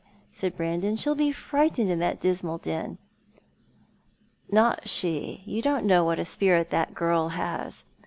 said Brandon. " She'll be frightened in that dismal den." " Not she. You don't know what a spirit that girl has.